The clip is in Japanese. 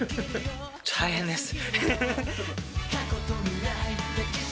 大変です。